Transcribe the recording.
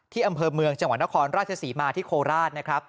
ที่อำเภอเมืองจังหวันนครราชสีมาที่โคราช